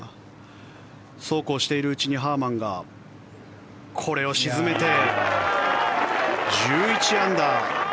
そうこうしているうちにハーマンがこれを沈めて１１アンダー。